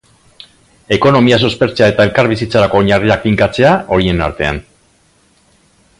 Ekonomia suspertzea eta elkarbizitzarako oinarriak finkatzea, horien artean.